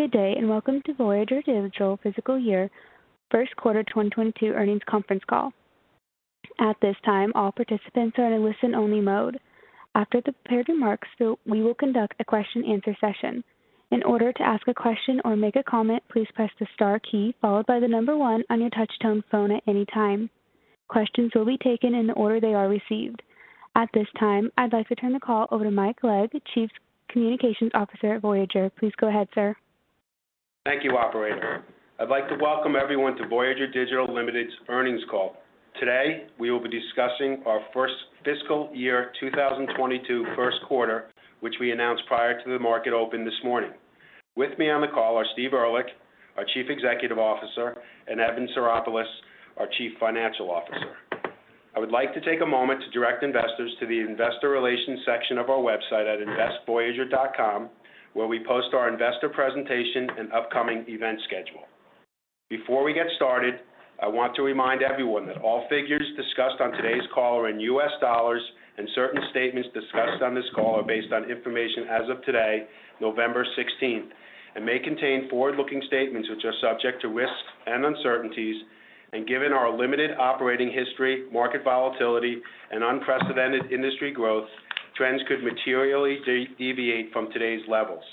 Good day, and welcome to Voyager Digital fiscal year first quarter 2022 earnings conference call. At this time, all participants are in a listen-only mode. After the prepared remarks, we will conduct a question-and-answer session. In order to ask a question or make a comment, please press the star key followed by the number one on your touch-tone phone at any time. Questions will be taken in the order they are received. At this time, I'd like to turn the call over to Michael Legg, Chief Communications Officer at Voyager. Please go ahead, sir. Thank you, operator. I'd like to welcome everyone to Voyager Digital Ltd.'s earnings call. Today, we will be discussing our first fiscal year 2022 first quarter, which we announced prior to the market open this morning. With me on the call are Steve Ehrlich, our Chief Executive Officer, and Evan Psaropoulos, our Chief Financial Officer. I would like to take a moment to direct investors to the investor relations section of our website at investvoyager.com, where we post our investor presentation and upcoming event schedule. Before we get started, I want to remind everyone that all figures discussed on today's call are in U.S. dollars, and certain statements discussed on this call are based on information as of today, November sixteenth, and may contain forward-looking statements which are subject to risks and uncertainties. Given our limited operating history, market volatility, and unprecedented industry growth, trends could materially deviate from today's levels.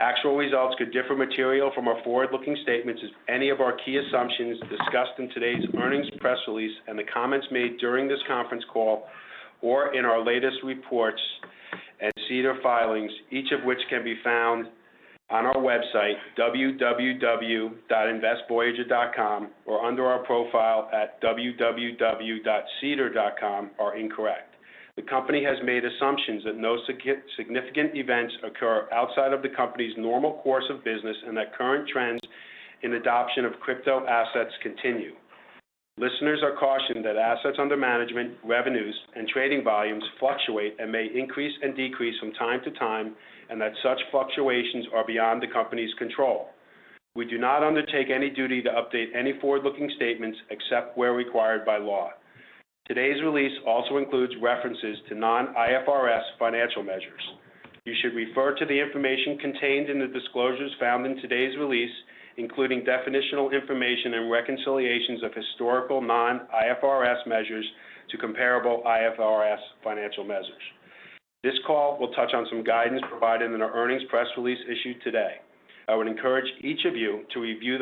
Actual results could differ materially from our forward-looking statements if any of our key assumptions discussed in today's earnings press release and the comments made during this conference call or in our latest reports and SEDAR filings, each of which can be found on our website, www.investvoyager.com, or under our profile at www.sedar.com, are incorrect. The company has made assumptions that no significant events occur outside of the company's normal course of business and that current trends in adoption of crypto assets continue. Listeners are cautioned that assets under management, revenues, and trading volumes fluctuate and may increase and decrease from time to time, and that such fluctuations are beyond the company's control. We do not undertake any duty to update any forward-looking statements except where required by law. Today's release also includes references to non-IFRS financial measures. You should refer to the information contained in the disclosures found in today's release, including definitional information and reconciliations of historical non-IFRS measures to comparable IFRS financial measures. This call will touch on some guidance provided in our earnings press release issued today. I would encourage each of you to review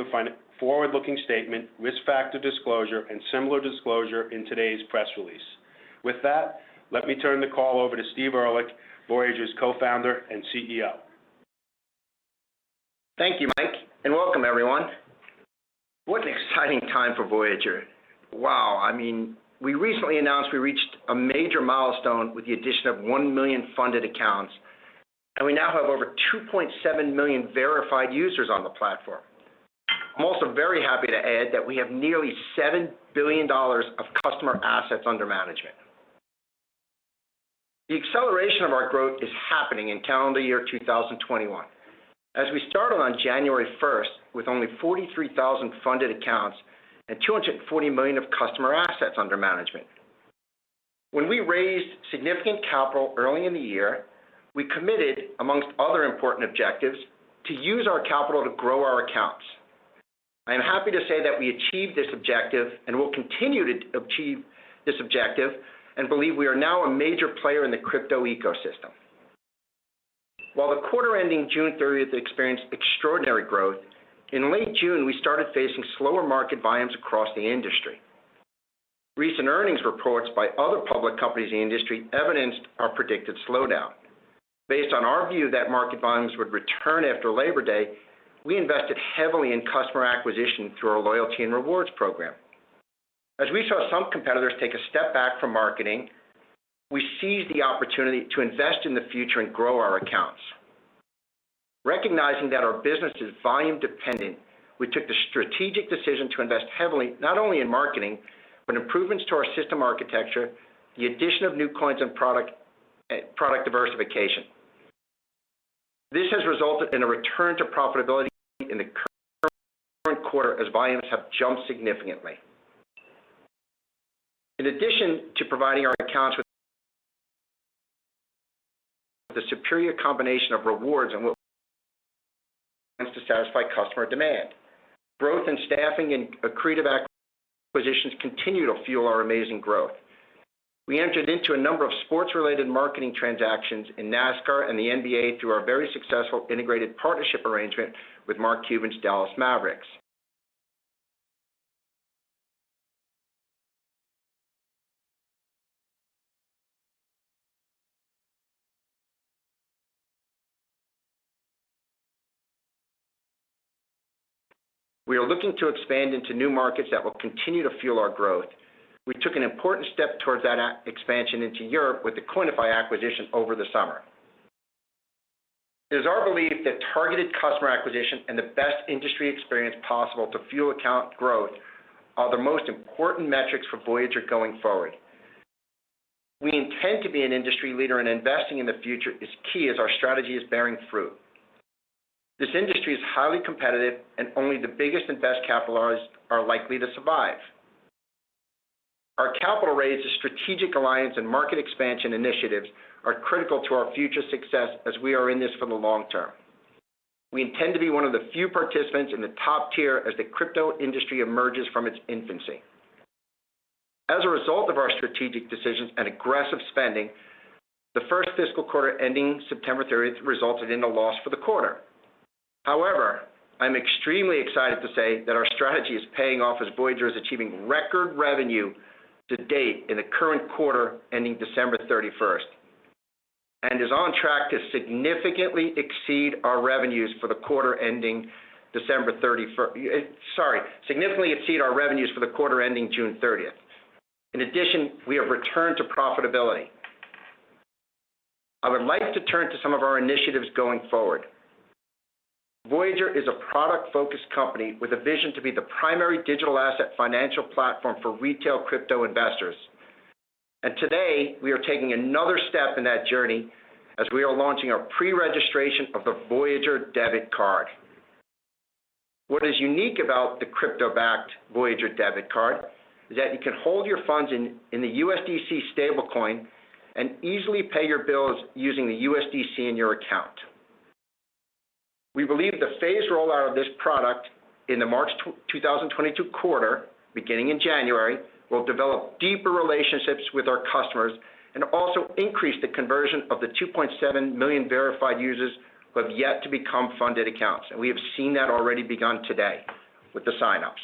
the forward-looking statement, risk factor disclosure, and similar disclosure in today's press release. With that, let me turn the call over to Steve Ehrlich, Voyager's Co-Founder and CEO. Thank you, Mike, and welcome everyone. What an exciting time for Voyager. Wow. I mean, we recently announced we reached a major milestone with the addition of 1 million funded accounts, and we now have over 2.7 million verified users on the platform. I'm also very happy to add that we have nearly $7 billion of customer assets under management. The acceleration of our growth is happening in calendar year 2021, as we started on January 1 with only 43,000 funded accounts and $240 million of customer assets under management. When we raised significant capital early in the year, we committed, among other important objectives, to use our capital to grow our accounts. I am happy to say that we achieved this objective and will continue to achieve this objective and believe we are now a major player in the crypto ecosystem. While the quarter ending June thirtieth experienced extraordinary growth, in late June, we started facing slower market volumes across the industry. Recent earnings reports by other public companies in the industry evidenced our predicted slowdown. Based on our view that market volumes would return after Labor Day, we invested heavily in customer acquisition through our loyalty and rewards program. As we saw some competitors take a step back from marketing, we seized the opportunity to invest in the future and grow our accounts. Recognizing that our business is volume dependent, we took the strategic decision to invest heavily, not only in marketing, but improvements to our system architecture, the addition of new coins and product diversification. This has resulted in a return to profitability in the current quarter as volumes have jumped significantly. In addition to providing our accounts with the superior combination of rewards and interest to satisfy customer demand, growth in staffing and accretive acquisitions continue to fuel our amazing growth. We entered into a number of sports-related marketing transactions in NASCAR and the NBA through our very successful integrated partnership arrangement with Mark Cuban's Dallas Mavericks. We are looking to expand into new markets that will continue to fuel our growth. We took an important step towards that, expansion into Europe with the Coinify acquisition over the summer. It is our belief that targeted customer acquisition and the best industry experience possible to fuel account growth are the most important metrics for Voyager going forward. We intend to be an industry leader, and investing in the future is key as our strategy is bearing fruit. This industry is highly competitive and only the biggest and best capitalized are likely to survive. Well, raising strategic alliances and market expansion initiatives are critical to our future success as we are in this for the long term. We intend to be one of the few participants in the top tier as the crypto industry emerges from its infancy. As a result of our strategic decisions and aggressive spending, the first fiscal quarter ending September 30 resulted in a loss for the quarter. However, I'm extremely excited to say that our strategy is paying off as Voyager is achieving record revenue to date in the current quarter ending December 31, and is on track to significantly exceed our revenues for the quarter ending December 31. Sorry, significantly exceed our revenues for the quarter ending June 30. In addition, we have returned to profitability. I would like to turn to some of our initiatives going forward. Voyager is a product-focused company with a vision to be the primary digital asset financial platform for retail crypto investors. Today, we are taking another step in that journey as we are launching our pre-registration of the Voyager debit card. What is unique about the crypto-backed Voyager debit card is that you can hold your funds in the USDC stablecoin and easily pay your bills using the USDC in your account. We believe the phased rollout of this product in the March 2022 quarter, beginning in January, will develop deeper relationships with our customers and also increase the conversion of the 2.7 million verified users who have yet to become funded accounts. We have seen that already begun today with the sign-ups.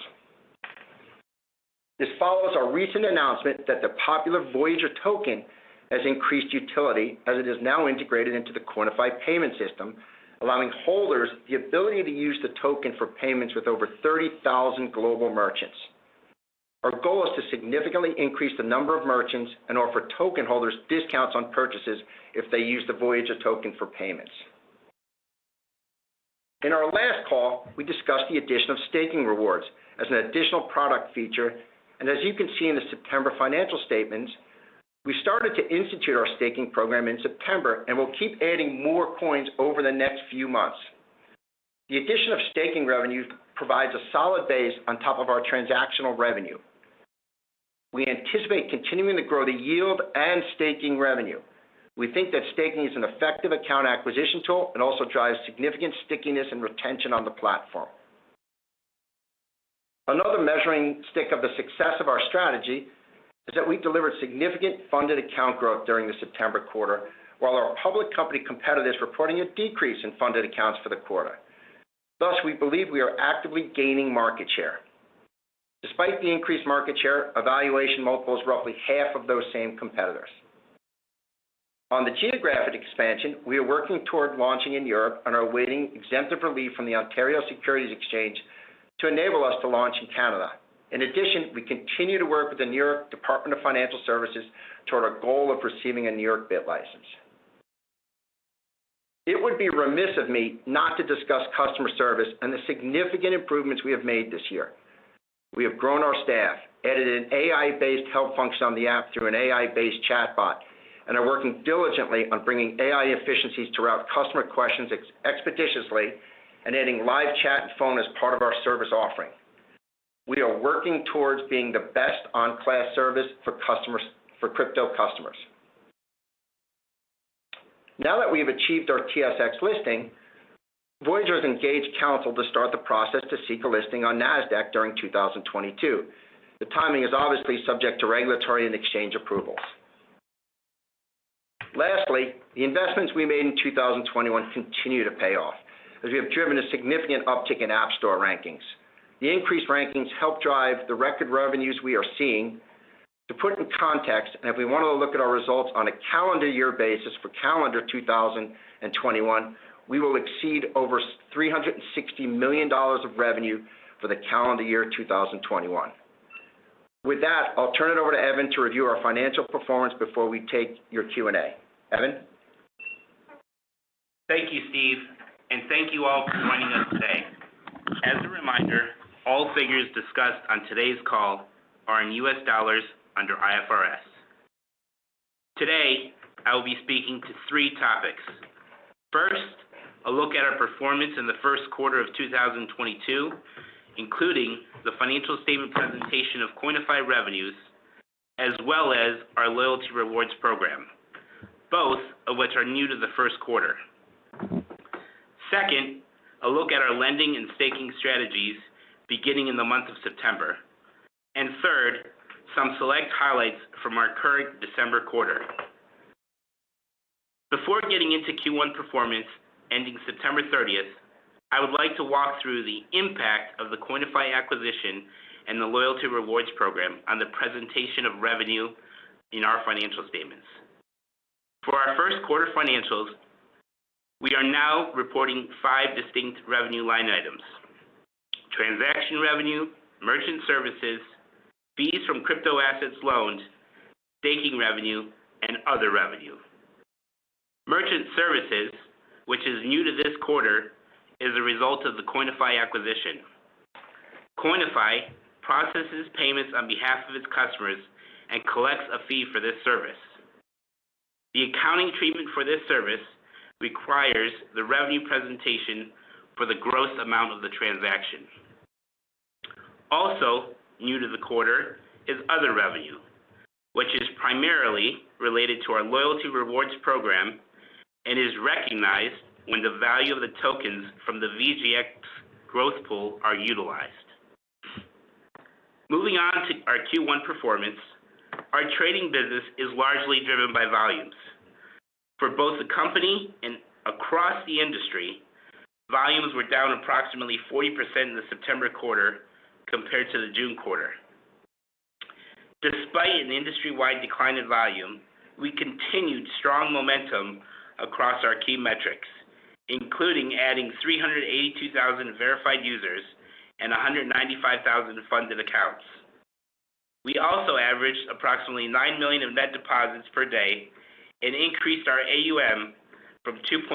This follows our recent announcement that the popular Voyager Token has increased utility as it is now integrated into the Coinify payment system, allowing holders the ability to use the token for payments with over 30,000 global merchants. Our goal is to significantly increase the number of merchants and offer token holders discounts on purchases if they use the Voyager Token for payments. In our last call, we discussed the addition of staking rewards as an additional product feature. As you can see in the September financial statements, we started to institute our staking program in September, and we'll keep adding more coins over the next few months. The addition of staking revenue provides a solid base on top of our transactional revenue. We anticipate continuing to grow the yield and staking revenue. We think that staking is an effective account acquisition tool and also drives significant stickiness and retention on the platform. Another measuring stick of the success of our strategy is that we delivered significant funded account growth during the September quarter, while our public company competitors reporting a decrease in funded accounts for the quarter. Thus, we believe we are actively gaining market share. Despite the increased market share, our valuation multiple is roughly half of those same competitors. On the geographic expansion, we are working toward launching in Europe and are awaiting exemptive relief from the Ontario Securities Commission to enable us to launch in Canada. In addition, we continue to work with the New York State Department of Financial Services toward our goal of receiving a New York BitLicense. It would be remiss of me not to discuss customer service and the significant improvements we have made this year. We have grown our staff, added an AI-based help function on the app through an AI-based chatbot, and are working diligently on bringing AI efficiencies to route customer questions expeditiously and adding live chat and phone as part of our service offering. We are working towards being the best-in-class service for customers, for crypto customers. Now that we have achieved our TSX listing, Voyager has engaged counsel to start the process to seek a listing on Nasdaq during 2022. The timing is obviously subject to regulatory and exchange approvals. Lastly, the investments we made in 2021 continue to pay off as we have driven a significant uptick in App Store rankings. The increased rankings help drive the record revenues we are seeing. To put in context, if we wanna look at our results on a calendar year basis for calendar 2021, we will exceed over $360 million of revenue for the calendar year 2021. With that, I'll turn it over to Evan to review our financial performance before we take your Q&A. Evan? Thank you, Steve, and thank you all for joining us today. As a reminder, all figures discussed on today's call are in U.S. dollars under IFRS. Today, I will be speaking to three topics. First, a look at our performance in the first quarter of 2022, including the financial statement presentation of Coinify revenues, as well as our loyalty rewards program, both of which are new to the first quarter. Second, a look at our lending and staking strategies beginning in the month of September. Third, some select highlights from our current December quarter. Before getting into Q1 performance ending September 30, I would like to walk through the impact of the Coinify acquisition and the loyalty rewards program on the presentation of revenue in our financial statements. For our first quarter financials, we are now reporting five distinct revenue line items: transaction revenue, merchant services, fees from crypto-asset loans, staking revenue, and other revenue. Merchant services, which is new to this quarter, is a result of the Coinify acquisition. Coinify processes payments on behalf of its customers and collects a fee for this service. The accounting treatment for this service requires the revenue presentation for the gross amount of the transaction. Also new to the quarter is other revenue, which is primarily related to our loyalty rewards program and is recognized when the value of the tokens from the VGX growth pool are utilized. Moving on to our Q1 performance, our trading business is largely driven by volumes. For both the company and across the industry, volumes were down approximately 40% in the September quarter compared to the June quarter. Despite an industry-wide decline in volume, we continued strong momentum across our key metrics, including adding 382,000 verified users and 195,000 funded accounts. We also averaged approximately $9 million of net deposits per day and increased our AUM from $2.7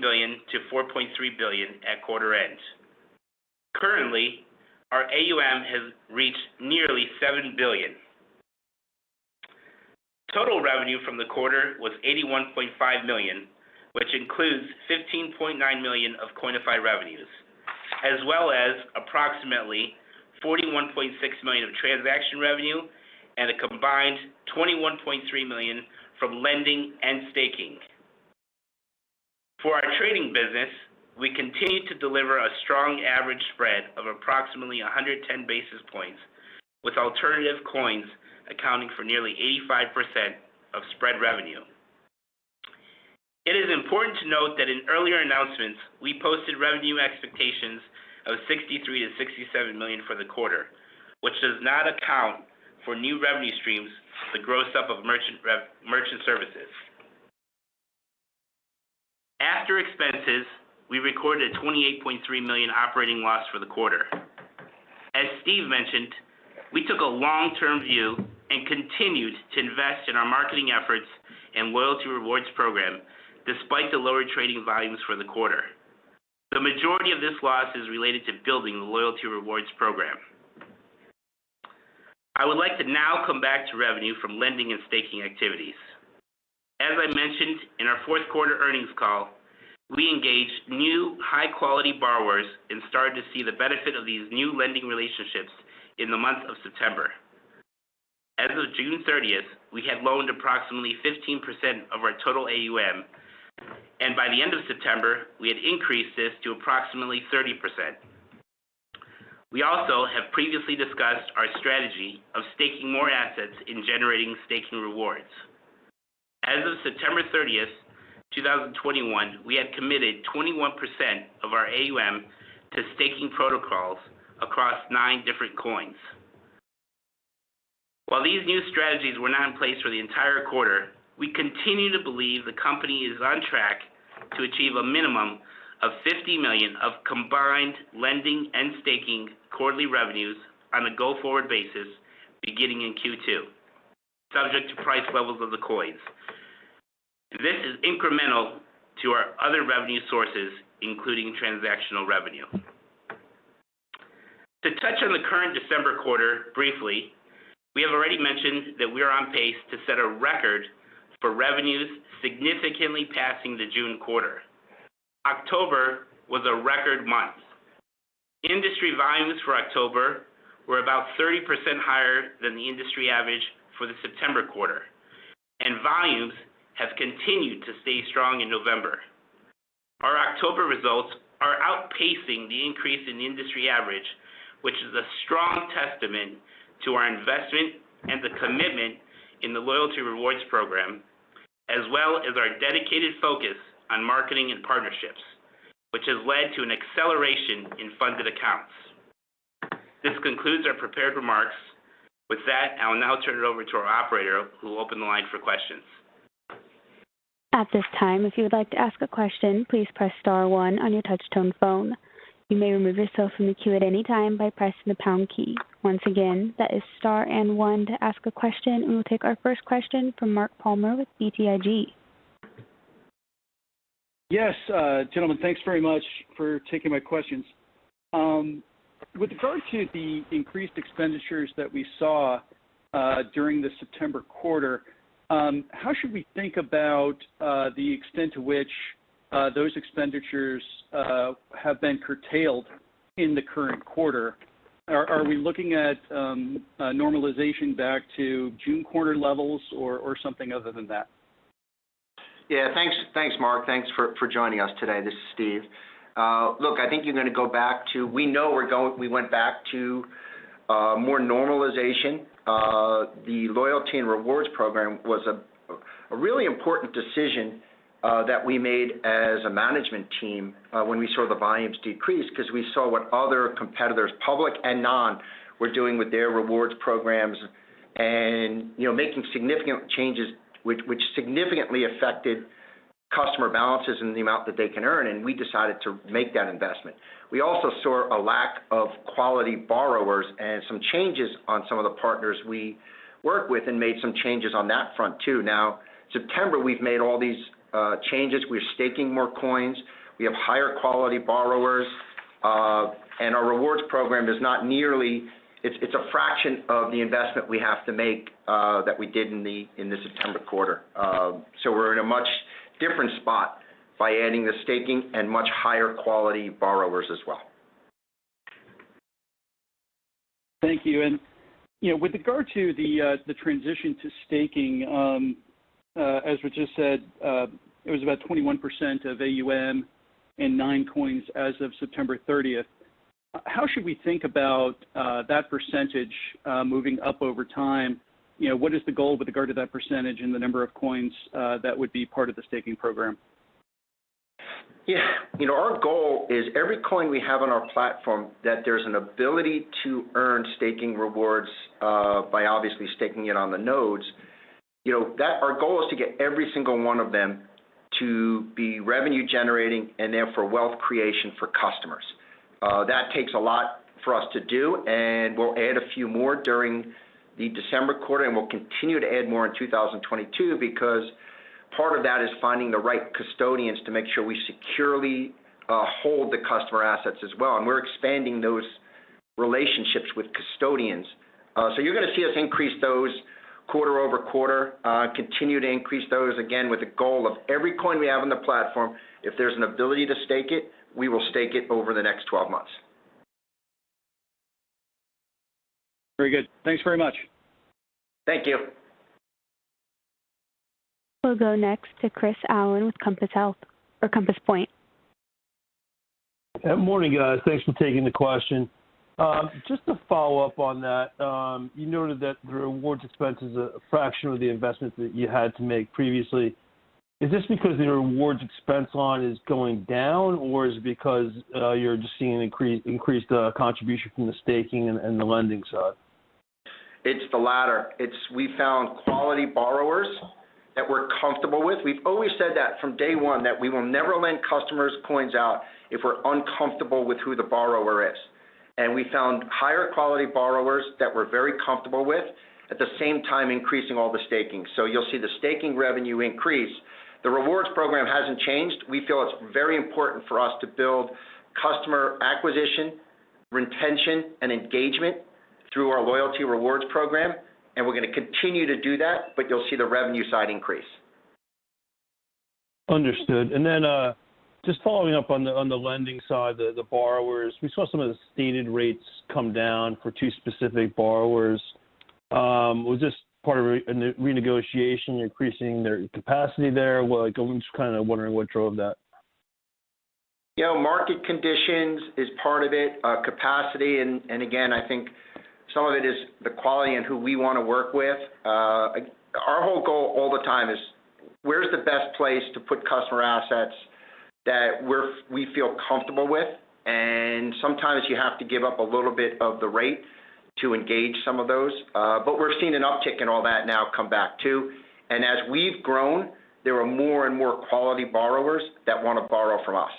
billion-$4.3 billion at quarter end. Currently, our AUM has reached nearly $7 billion. Total revenue from the quarter was $81.5 million, which includes $15.9 million of Coinify revenues, as well as approximately $41.6 million of transaction revenue and a combined $21.3 million from lending and staking. For our trading business, we continue to deliver a strong average spread of approximately 110 basis points, with alternative coins accounting for nearly 85% of spread revenue. It is important to note that in earlier announcements, we posted revenue expectations of $63 million-$67 million for the quarter, which does not account for new revenue streams, the gross-up of merchant services. After expenses, we recorded a $28.3 million operating loss for the quarter. As Steve mentioned, we took a long-term view and continued to invest in our marketing efforts and loyalty rewards program despite the lower trading volumes for the quarter. The majority of this loss is related to building the loyalty rewards program. I would like to now come back to revenue from lending and staking activities. As I mentioned in our fourth quarter earnings call, we engaged new high-quality borrowers and started to see the benefit of these new lending relationships in the month of September. As of June thirtieth, we had loaned approximately 15% of our total AUM, and by the end of September, we had increased this to approximately 30%. We also have previously discussed our strategy of staking more assets in generating staking rewards. As of September thirtieth, 2021, we had committed 21% of our AUM to staking protocols across nine different coins. While these new strategies were not in place for the entire quarter, we continue to believe the company is on track to achieve a minimum of $50 million of combined lending and staking quarterly revenues on a go-forward basis beginning in Q2, subject to price levels of the coins. This is incremental to our other revenue sources, including transactional revenue. To touch on the current December quarter briefly, we have already mentioned that we are on pace to set a record for revenues significantly passing the June quarter. October was a record month. Industry volumes for October were about 30% higher than the industry average for the September quarter, and volumes have continued to stay strong in November. Our October results are outpacing the increase in industry average, which is a strong testament to our investment and the commitment in the loyalty rewards program, as well as our dedicated focus on marketing and partnerships, which has led to an acceleration in funded accounts. This concludes our prepared remarks. With that, I will now turn it over to our operator, who will open the line for questions. We'll take our first question from Mark Palmer with BTIG. Yes, gentlemen, thanks very much for taking my questions. With regard to the increased expenditures that we saw during the September quarter, how should we think about the extent to which those expenditures have been curtailed in the current quarter? Are we looking at normalization back to June quarter levels or something other than that? Yeah, thanks. Thanks, Mark. Thanks for joining us today. This is Steve. Look, we know we went back to more normalization. The loyalty and rewards program was a really important decision that we made as a management team when we saw the volumes decrease because we saw what other competitors, public and non, were doing with their rewards programs and, you know, making significant changes which significantly affected customer balances and the amount that they can earn, and we decided to make that investment. We also saw a lack of quality borrowers and some changes on some of the partners we work with and made some changes on that front too. Now, September, we've made all these changes. We're staking more coins. We have higher quality borrowers. Our rewards program is not nearly. It's a fraction of the investment we have to make that we did in the September quarter. So we're in a much different spot by adding the staking and much higher quality borrowers as well. Thank you. You know, with regard to the transition to staking, as we just said, it was about 21% of AUM and 9 coins as of September 30th. How should we think about that percentage moving up over time? You know, what is the goal with regard to that percentage and the number of coins that would be part of the staking program? Yeah. You know, our goal is every coin we have on our platform, that there's an ability to earn staking rewards by obviously staking it on the nodes. You know, our goal is to get every single one of them to be revenue generating and therefore wealth creation for customers. That takes a lot for us to do, and we'll add a few more during the December quarter, and we'll continue to add more in 2022, because part of that is finding the right custodians to make sure we securely hold the customer assets as well. We're expanding those relationships with custodians. You're gonna see us increase those quarter-over-quarter, continue to increase those, again, with the goal of every coin we have on the platform, if there's an ability to stake it, we will stake it over the next 12 months. Very good. Thanks very much. Thank you. We'll go next to Chris Allen with Compass Point. Good morning, guys. Thanks for taking the question. Just to follow up on that, you noted that the rewards expense is a fraction of the investments that you had to make previously. Is this because the rewards expense line is going down, or is it because you're just seeing increased contribution from the staking and the lending side? It's the latter. It's we found quality borrowers that we're comfortable with. We've always said that from day one, that we will never lend customers coins out if we're uncomfortable with who the borrower is. We found higher quality borrowers that we're very comfortable with, at the same time increasing all the staking. You'll see the staking revenue increase. The rewards program hasn't changed. We feel it's very important for us to build customer acquisition, retention, and engagement through our loyalty rewards program, and we're gonna continue to do that, but you'll see the revenue side increase. Understood. Just following up on the lending side, the borrowers. We saw some of the stated rates come down for two specific borrowers. Was this part of a renegotiation, increasing their capacity there? Like, I'm just kinda wondering what drove that. You know, market conditions is part of it, capacity and again, I think some of it is the quality and who we wanna work with. Our whole goal all the time is where's the best place to put customer assets that we feel comfortable with? Sometimes you have to give up a little bit of the rate to engage some of those. But we're seeing an uptick in all that now coming back too. As we've grown, there are more and more quality borrowers that wanna borrow from us.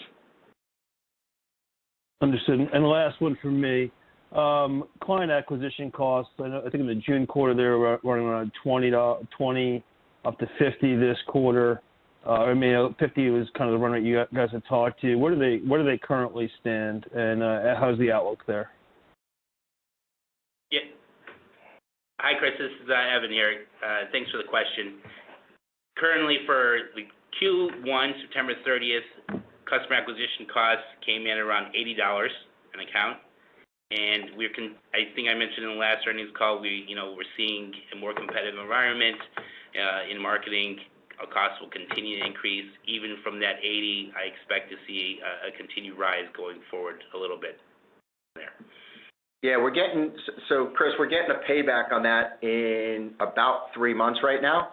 Understood. Last one from me. Client acquisition costs, I know I think in the June quarter, they were running around $20-$25 up to $50 this quarter. I mean, $50 was kind of the run rate you guys had talked to. Where do they currently stand, and how's the outlook there? Hi, Chris, this is Evan here. Thanks for the question. Currently for the Q1, September 30, customer acquisition costs came in around $80 an account. I think I mentioned in the last earnings call. You know, we're seeing a more competitive environment in marketing. Our costs will continue to increase even from that $80. I expect to see a continued rise going forward a little bit there. So Chris, we're getting a payback on that in about three months right now.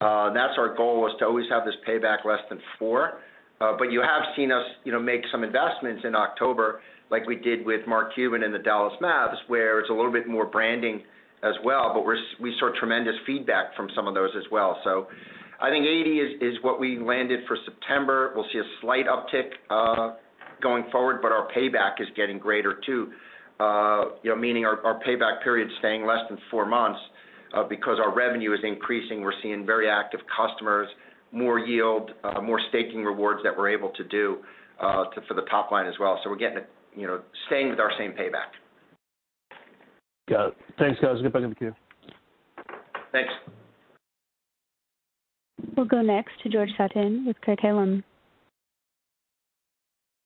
That's our goal was to always have this payback less than four. You have seen us, you know, make some investments in October like we did with Mark Cuban and the Dallas Mavs, where it's a little bit more branding as well, but we saw tremendous feedback from some of those as well. I think 80 is what we landed for September. We'll see a slight uptick going forward, but our payback is getting greater too. You know, meaning our payback period is staying less than four months because our revenue is increasing. We're seeing very active customers, more yield, more staking rewards that we're able to do for the top line as well. We're getting, you know, staying with our same payback. Got it. Thanks, guys. Get back in the queue. Thanks. We'll go next to George Sutton with Craig-Hallum.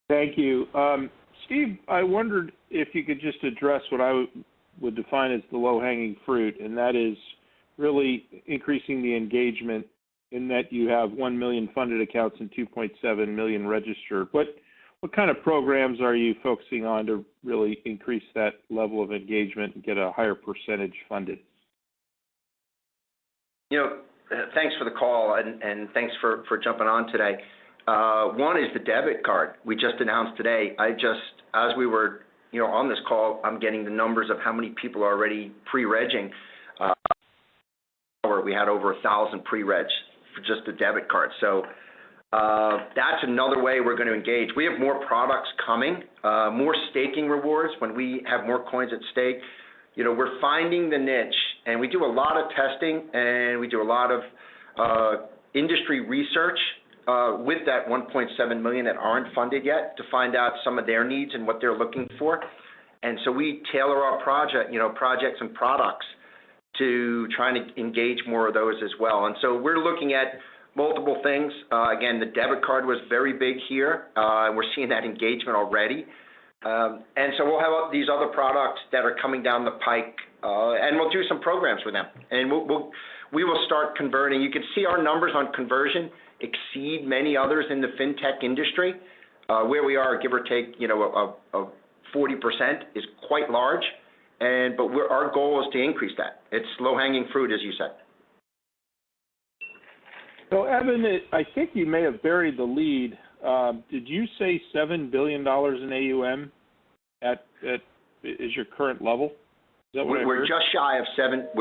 Thank you. Steve, I wondered if you could just address what I would define as the low-hanging fruit, and that is really increasing the engagement in that you have 1 million funded accounts and 2.7 million registered. But what kind of programs are you focusing on to really increase that level of engagement and get a higher percentage funded? You know, thanks for the call and thanks for jumping on today. One is the debit card we just announced today. As just - as we were, you know, on this call, I'm getting the numbers of how many people are already pre-registering. We had over 1,000 pre-regs for just the debit card. That's another way we're gonna engage. We have more products coming, more staking rewards when we have more coins at stake. You know, we're finding the niche, and we do a lot of testing and we do a lot of industry research with that 1.7 million that aren't funded yet to find out some of their needs and what they're looking for. And we tailor our project, you know, projects and products to trying to engage more of those as well. So we're looking at multiple things. Again, the debit card was very big here. We're seeing that engagement already. We'll have all these other products that are coming down the pike, and we'll do some programs with them. We will start converting. You could see our numbers on conversion exceed many others in the fintech industry. Where we are, give or take, you know, a 40% is quite large. And but our goal is to increase that. It's low-hanging fruit, as you said. Evan, I think you may have buried the lead. Did you say $7 billion in AUM at your current level? Is that what I heard? We're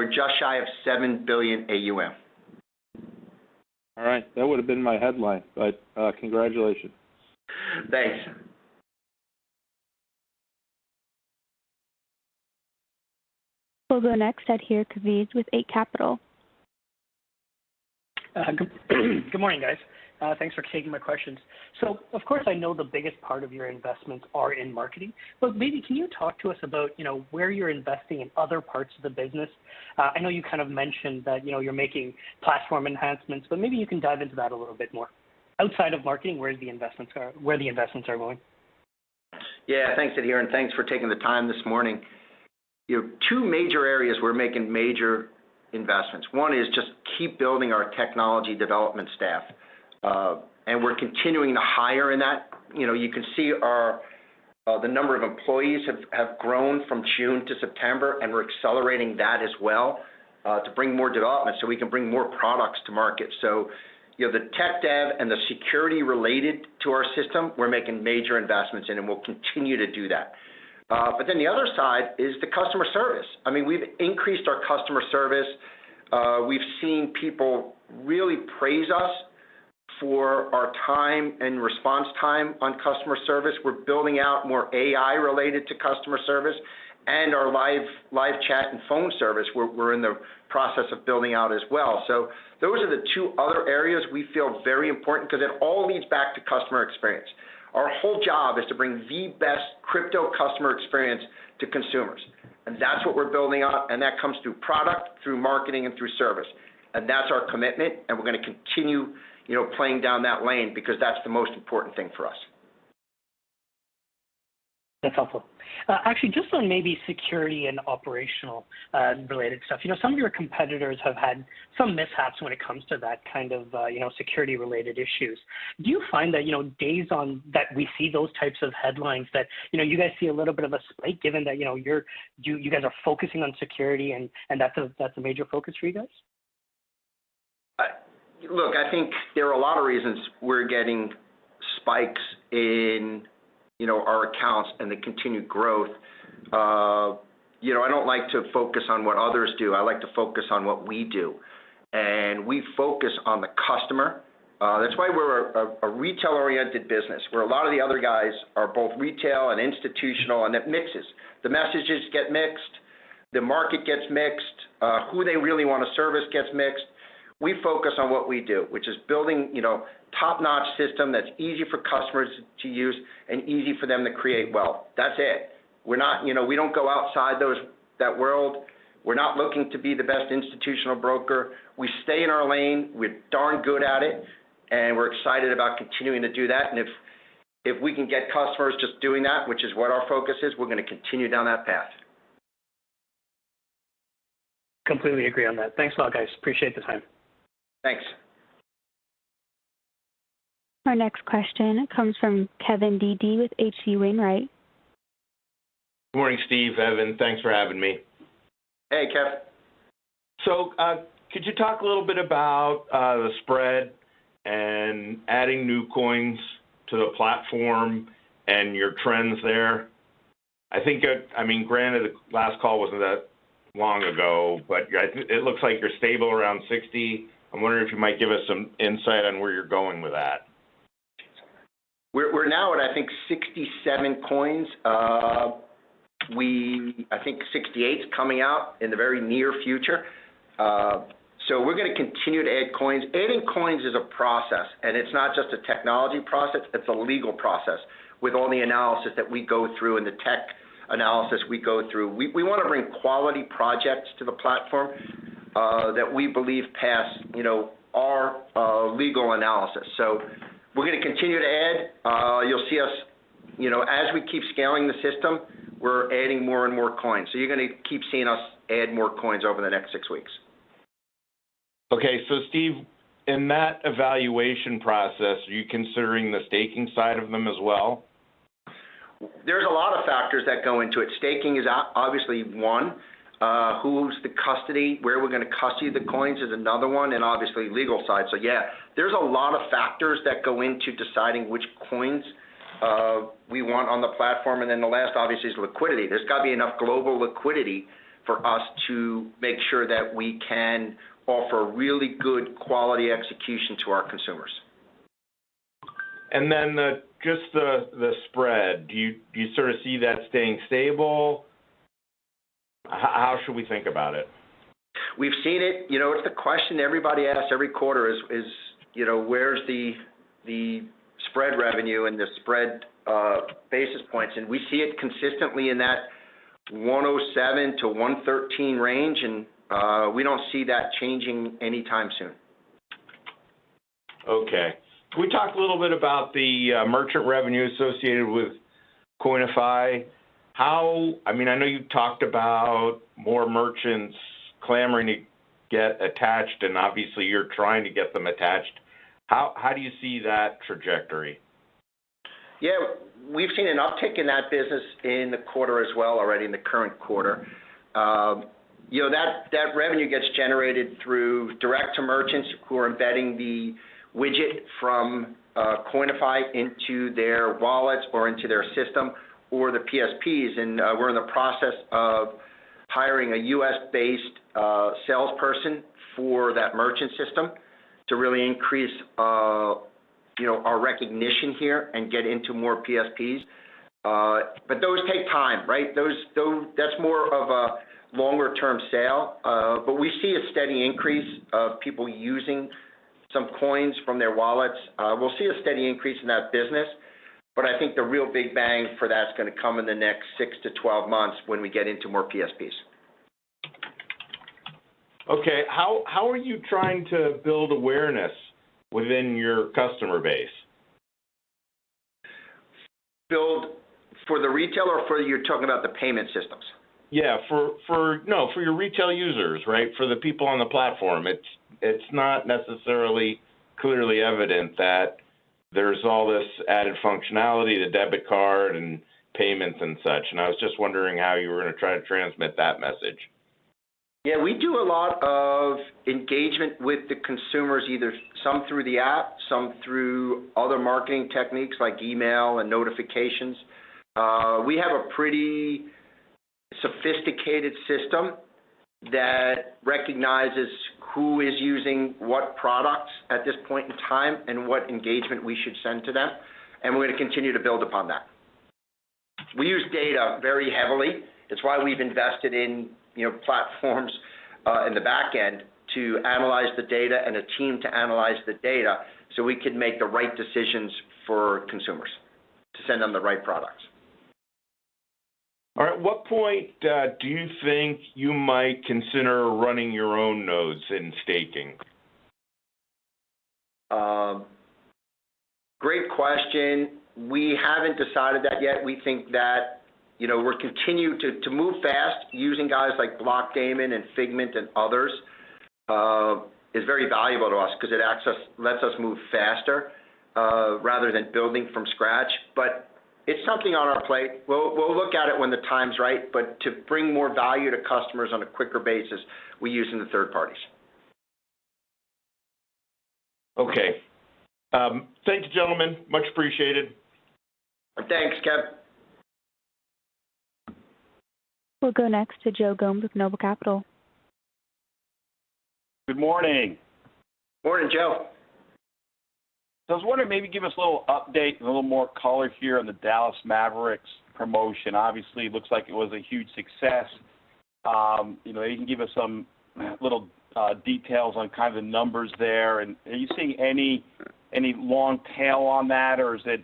just shy of $7 billion AUM. All right. That would have been my headline, but, congratulations. Thanks. We'll go next, Adhir Kadve with Eight Capital. Good morning, guys. Thanks for taking my questions. Of course, I know the biggest part of your investments are in marketing, but maybe can you talk to us about, you know, where you're investing in other parts of the business? I know you kind of mentioned that, you know, you're making platform enhancements, but maybe you can dive into that a little bit more. Outside of marketing, where the investments are going. Yeah. Thanks, Adhir, and thanks for taking the time this morning. You know, two major areas we're making major investments. One is just keep building our technology development staff, and we're continuing to hire in that. You know, you can see the number of employees have grown from June to September, and we're accelerating that as well to bring more development so we can bring more products to market. You know, the tech dev and the security related to our system, we're making major investments, and then we'll continue to do that. The other side is the customer service. I mean, we've increased our customer service. We've seen people really praise us for our time and response time on customer service. We're building out more AI related to customer service and our live chat and phone service. We're in the process of building out as well. So, those are the two other areas we feel very important because it all leads back to customer experience. Our whole job is to bring the best crypto customer experience to consumers. And that's what we're building on, and that comes through product, through marketing, and through service. That's our commitment, and we're gonna continue, you know, playing down that lane because that's the most important thing for us. That's helpful. Actually, just on maybe security and operational related stuff. You know, some of your competitors have had some mishaps when it comes to that kind of, you know, security related issues. Do you find that, you know, on days that we see those types of headlines that, you know, you guys see a little bit of a spike given that, you know, you guys are focusing on security and that's a major focus for you guys? Look, I think there are a lot of reasons we're getting spikes in, you know, our accounts and the continued growth. You know, I don't like to focus on what others do. I like to focus on what we do. We focus on the customer. That's why we're a retail-oriented business, where a lot of the other guys are both retail and institutional, and it mixes. The messages get mixed, the market gets mixed, who they really want to service gets mixed. We focus on what we do, which is building, you know, top-notch system that's easy for customers to use and easy for them to create wealth. That's it. We're not, you know, we don't go outside that world. We're not looking to be the best institutional broker. We stay in our lane. We're darn good at it, and we're excited about continuing to do that. If we can get customers just doing that, which is what our focus is, we're gonna continue down that path. Completely agree on that. Thanks a lot, guys. Appreciate the time. Thanks. Our next question comes from Kevin Dede with H.C. Wainwright. Good morning, Steve, Evan. Thanks for having me. Hey, Kevin. Could you talk a little bit about the spread and adding new coins to the platform and your trends there? I think, I mean, granted, the last call wasn't that long ago, but it looks like you're stable around 60. I'm wondering if you might give us some insight on where you're going with that. We're now at I think 67 coins. I think 68's coming out in the very near future. We're gonna continue to add coins. Adding coins is a process, and it's not just a technology process, it's a legal process with all the analysis that we go through and the tech analysis we go through. We wanna bring quality projects to the platform that we believe pass you know our legal analysis. We're gonna continue to add. You'll see us you know as we keep scaling the system, we're adding more and more coins. You're gonna keep seeing us add more coins over the next six weeks. Okay. Steve, in that evaluation process, are you considering the staking side of them as well? There's a lot of factors that go into it. Staking is obviously one. Who's the custodian, where we're gonna custody the coins is another one, and obviously the legal side. Yeah, there's a lot of factors that go into deciding which coins, we want on the platform. The last, obviously, is liquidity. There's got to be enough global liquidity for us to make sure that we can offer really good quality execution to our consumers. Just the spread. Do you sort of see that staying stable? How should we think about it? We've seen it. You know, it's the question everybody asks every quarter is where's the spread revenue and the spread basis points. We don't see that changing anytime soon. Okay. Can we talk a little bit about the merchant revenue associated with Coinify? I mean, I know you've talked about more merchants clamoring to get attached, and obviously, you're trying to get them attached. How do you see that trajectory? Yeah. We've seen an uptick in that business in the quarter as well already in the current quarter. You know, that revenue gets generated through direct to merchants who are embedding the widget from Coinify into their wallets or into their system or the PSPs. We're in the process of hiring a U.S.-based salesperson for that merchant system to really increase you know, our recognition here and get into more PSPs. Those take time, right? That's more of a longer-term sale. We see a steady increase of people using some coins from their wallets. We'll see a steady increase in that business. I think the real big bang for that's gonna come in the next six to 12 months when we get into more PSPs. Okay. How are you trying to build awareness within your customer base? Built for the retail or for you're talking about the payment systems? Yeah. For your retail users, right? For the people on the platform. It's not necessarily clearly evident that there's all this added functionality to debit card and payments and such. I was just wondering how you were gonna try to transmit that message. Yeah, we do a lot of engagement with the consumers, either some through the app, some through other marketing techniques like email and notifications. We have a pretty sophisticated system that recognizes who is using what products at this point in time and what engagement we should send to them, and we're gonna continue to build upon that. We use data very heavily. It's why we've invested in, you know, platforms in the back end to analyze the data and a team to analyze the data so we can make the right decisions for consumers to send them the right products. All right. At what point do you think you might consider running your own nodes in staking? Great question. We haven't decided that yet. We think that, you know, we're continue to move fast using guys like Blockdaemon and Figment and others is very valuable to us 'cause it lets us move faster rather than building from scratch. It's something on our plate. We'll look at it when the time's right. To bring more value to customers on a quicker basis, we're using the third parties. Okay. Thanks, gentlemen. Much appreciated. Thanks, Kevin. We'll go next to Joe Gomes with Noble Capital. Good morning. Morning, Joe. I was wondering, maybe give us a little update and a little more color here on the Dallas Mavericks promotion. Obviously, it looks like it was a huge success. You know, you can give us some little details on kind of the numbers there. Are you seeing any long tail on that, or is it,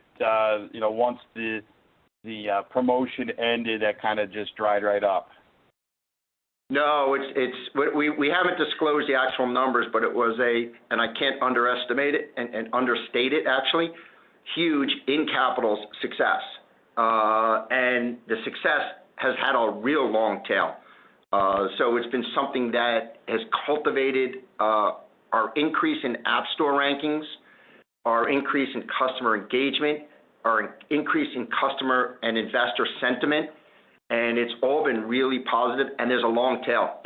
you know, once the promotion ended, it kinda just dried right up? No, it's. We haven't disclosed the actual numbers, but it was a huge incredible success. I can't underestimate it and understate it actually. Huge in capital success. And the success has had a real long tail. So it's been something that has cultivated our increase in App Store rankings, our increase in customer engagement, our increase in customer and investor sentiment, and it's all been really positive, and there's a long tail.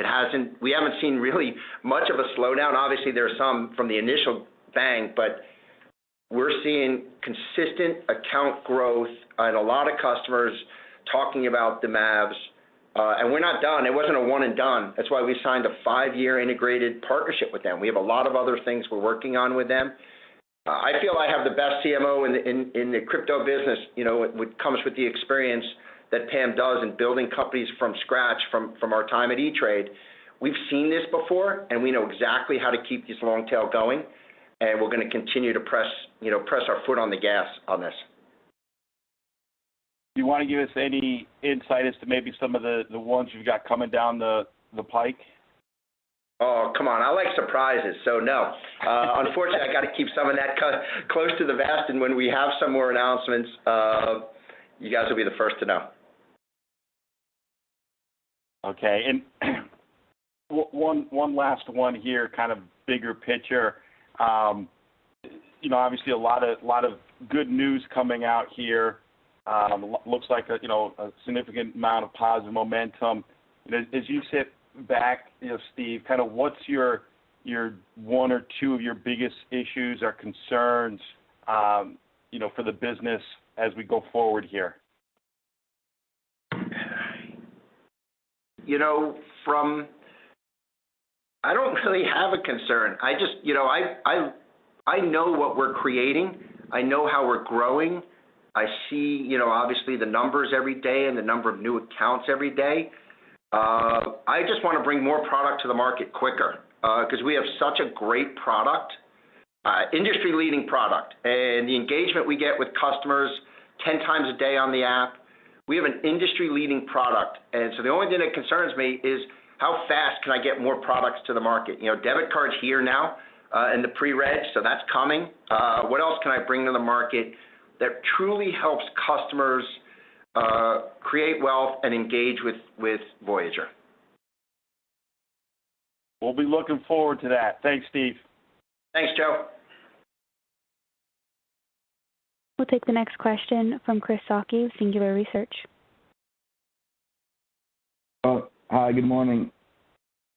We haven't seen really much of a slowdown. Obviously, there are some from the initial bang, but we're seeing consistent account growth and a lot of customers talking about the Mavs. We're not done. It wasn't a one and done. That's why we signed a five-year integrated partnership with them. We have a lot of other things we're working on with them. I feel I have the best CMO in the crypto business, you know, with the experience that Pam does in building companies from scratch from our time at E*TRADE. We've seen this before, and we know exactly how to keep this long tail going, and we're gonna continue to press, you know, press our foot on the gas on this. Do you wanna give us any insight as to maybe some of the ones you've got coming down the pike? Oh, come on. I like surprises, so no. Unfortunately, I gotta keep some of that close to the vest. When we have some more announcements, you guys will be the first to know. Okay. One last one here, kind of bigger picture. You know, obviously a lot of good news coming out here. Looks like, you know, a significant amount of positive momentum. As you sit back, you know, Steve, kinda what's your one or two of your biggest issues or concerns, you know, for the business as we go forward here? You know, I don't really have a concern. I know what we're creating, I know how we're growing. I see, you know, obviously the numbers every day and the number of new accounts every day. I just wanna bring more product to the market quicker, 'cause we have such a great product, industry-leading product. The engagement we get with customers 10 times a day on the app. We have an industry-leading product. The only thing that concerns me is how fast can I get more products to the market. You know, debit card's here now, and the pre-reg, so that's coming. What else can I bring to the market that truly helps customers create wealth and engage with Voyager? We'll be looking forward to that. Thanks, Steve. Thanks, Joe. We'll take the next question from Chris Sakai, Singular Research. Hi, good morning.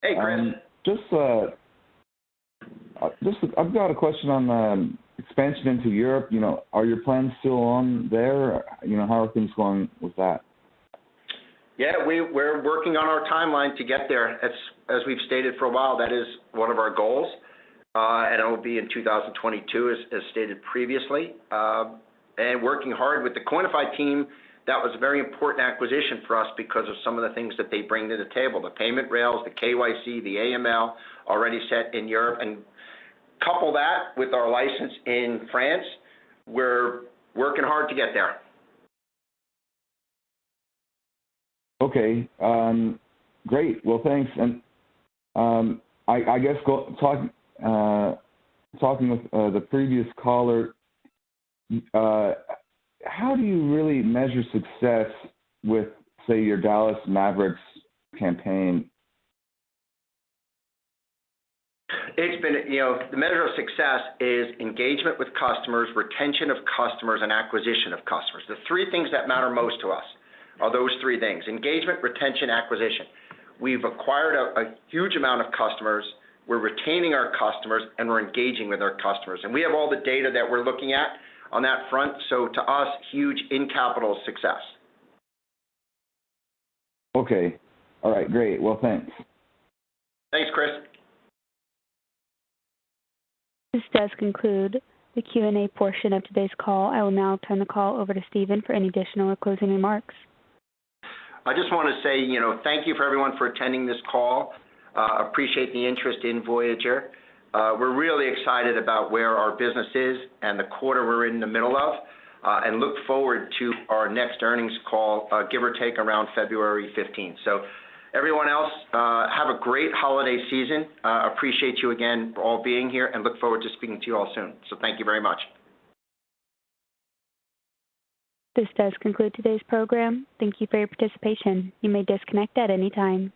Hey, Chris. I've got a question on expansion into Europe, you know, are your plans still on there? You know, how are things going with that? Yeah. We're working on our timeline to get there. As we've stated for a while, that is one of our goals. It'll be in 2022 as stated previously. Working hard with the Coinify team, that was a very important acquisition for us because of some of the things that they bring to the table, the payment rails, the KYC, the AML already set in Europe. And couple that with our license in France, we're working hard to get there. Okay. Great. Well, thanks. I guess talking with the previous caller, how do you really measure success with, say, your Dallas Mavericks campaign? It's been, you know, the measure of success is engagement with customers, retention of customers, and acquisition of customers. The three things that matter most to us are those three things, engagement, retention, acquisition. We've acquired a huge amount of customers, we're retaining our customers, and we're engaging with our customers. We have all the data that we're looking at on that front. To us, huge incremental success. Okay. All right. Great. Well, thanks. Thanks, Chris. This does conclude the Q&A portion of today's call. I will now turn the call over to Stephen for any additional or closing remarks. I just wanna say, you know, thank you, everyone, for attending this call. Appreciate the interest in Voyager. We're really excited about where our business is and the quarter we're in the middle of, and look forward to our next earnings call, give or take, around February 15. Everyone else, have a great holiday season. Appreciate you again all being here, and look forward to speaking to you all soon. Thank you very much. This does conclude today's program. Thank you for your participation. You may disconnect at any time.